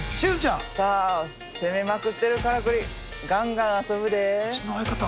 さあ攻めまくってるカラクリガンガン遊ぶで！